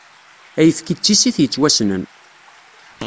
Ayefki d tissit yettwassnen.